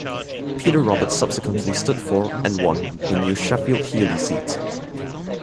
Peter Roberts subsequently stood for, and won, the new Sheffield Heeley seat.